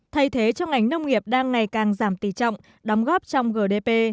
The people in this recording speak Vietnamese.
thay thế trong ngành nông nghiệp đang ngày càng giảm tỷ trọng đóng góp trong gdp